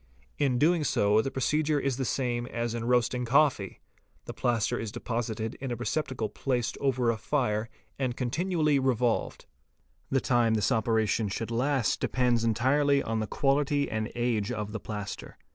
In doing so the procedure is the same as in roasting coffee ; the plaster is deposited in a receptacle placed over a fire and con tinually revolved. The time this operation should last depends entirely on the quality and age of the plaster.